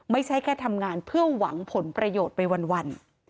ไม่ใช่แค่ทำงานเพื่อหวังผลประโยชน์ไปวัน